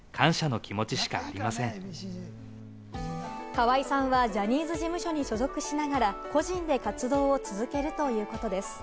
河合さんはジャニーズ事務所に所属しながら個人で活動を続けるということです。